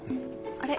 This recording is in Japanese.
あれ？